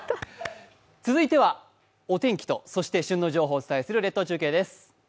続いてはお天気と旬の情報をお伝えする列島中継です。